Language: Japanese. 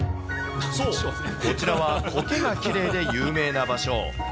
そう、こちらはコケがきれいで有名な場所。